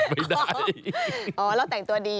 อ๋อเราแต่งตัวดี